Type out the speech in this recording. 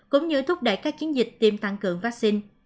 cũng như thúc đẩy các chiến dịch tiêm tăng cường vaccine